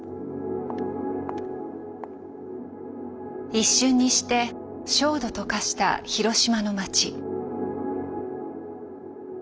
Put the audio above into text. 一瞬にして焦土と化した広島の街。